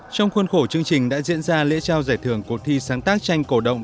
trong khuôn khổ chương trình đã diễn ra lễ trao giải thưởng cuộc thi sáng tác tranh cổ động